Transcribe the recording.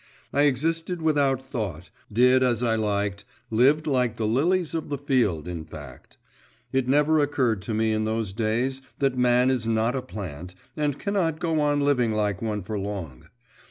I existed without thought, did as I liked, lived like the lilies of the field, in fact. It never occurred to me in those days that man is not a plant, and cannot go on living like one for long.